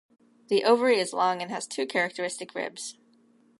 The ovary is long and has two characteristic ribs.